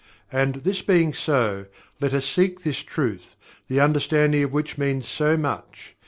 And, this being so, let us seek this truth, the understanding of which means so much.